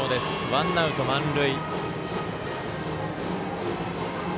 ワンアウト、満塁。